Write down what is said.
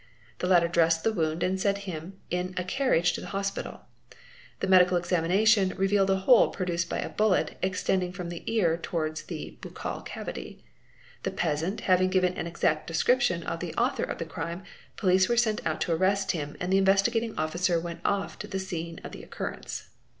The latter dressed the wound and sent him in a carriage to the hospital. The medical examination revealed a hole produced by a bullet extending from the ear towards the buccal cavity. The peasant having given an exact description of the author of the crime, police were sent out to arrest him and the Investigating Officer went off to the scene _ of the occurrence.